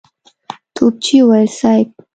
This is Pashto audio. توپچي وويل: صېب!